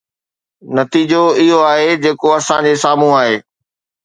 نتيجو اهو آهي جيڪو اسان جي سامهون آهي.